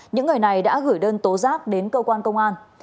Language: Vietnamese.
những người này đã gửi đơn tố giác đến cơ quan công an